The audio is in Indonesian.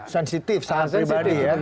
sensitive sangat pribadi ya